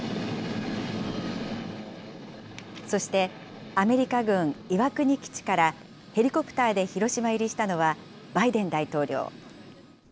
そして、アメリカ軍岩国基地からヘリコプターで広島入りしたのはバイデン大統領。